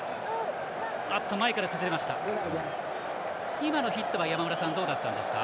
今のヒットは、山村さんどうだったんですか？